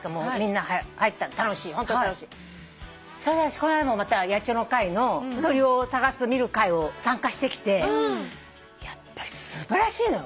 この間もまた野鳥の会の鳥を探す見る会を参加してきてやっぱり素晴らしいのよ